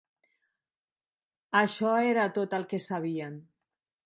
...això era tot el que sabien.